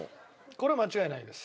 これは間違いないです。